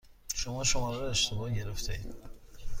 شما شماره را اشتباه گرفتهاید.